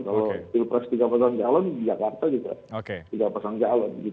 kalau pilpres tiga pasang calon jakarta juga tiga pasang calon